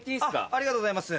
ありがとうございます。